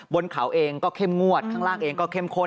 บนเขาเองก็เข้มงวดข้างล่างเองก็เข้มข้น